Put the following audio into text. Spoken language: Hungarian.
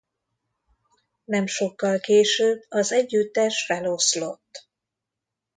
Nem sokkal később az együttes feloszlott.